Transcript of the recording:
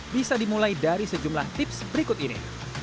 bisa dimulai dari sejumlah tips berikut ini